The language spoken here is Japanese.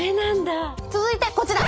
続いてこちら。